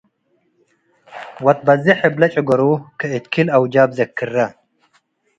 ወትበዜሕ እብለጭገሩ - ከእት ክል አውጃብ ዘክራ